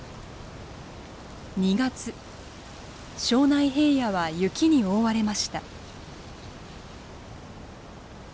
庄内平野は雪に覆われました。